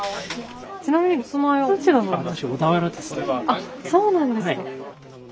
あっそうなんですか。